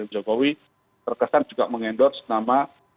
jokowi terkesan juga mengendor senama